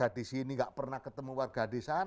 yang disini enggak pernah ketemu warga desa